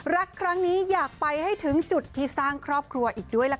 รักครั้งนี้อยากไปให้ถึงจุดที่สร้างครอบครัวอีกด้วยล่ะค่ะ